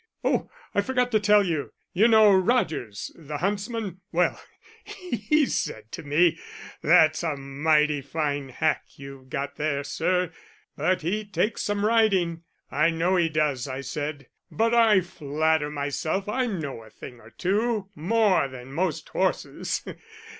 Oh, I forgot to tell you you know Rodgers, the huntsman, well, he said to me, 'That's a mighty fine hack you've got there, sir, but he takes some riding.' 'I know he does,' I said; 'but I flatter myself I know a thing or two more than most horses.